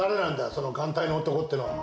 その眼帯の男ってのは。